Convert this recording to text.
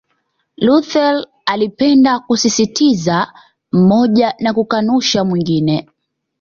Luther alipenda kusisitiza mmoja na kukanusha mwingine